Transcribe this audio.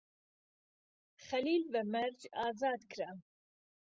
خەلیل بە مەرج ئازاد کرا.